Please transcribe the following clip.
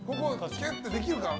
キュッとできるか。